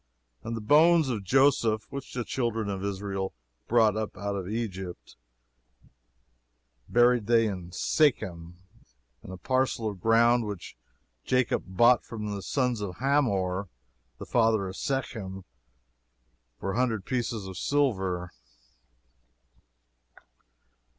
"And the bones of Joseph, which the children of Israel brought up out of Egypt, buried they in Shechem, in a parcel of ground which Jacob bought of the sons of Hamor the father of Shechem for a hundred pieces of silver."